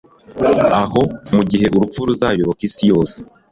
aho, mugihe urupfu ruzayoboka isi yose